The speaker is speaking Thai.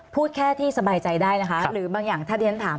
พูดแค่ที่สบายใจได้นะคะหรือบางอย่างถ้าที่ฉันถาม